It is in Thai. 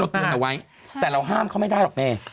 แต่เราห้ามเขาไม่ได้หรอกแม่